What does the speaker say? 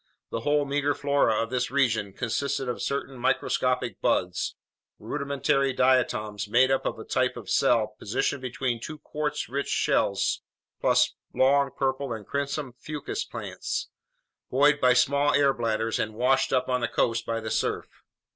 The whole meager flora of this region consisted of certain microscopic buds, rudimentary diatoms made up of a type of cell positioned between two quartz rich shells, plus long purple and crimson fucus plants, buoyed by small air bladders and washed up on the coast by the surf.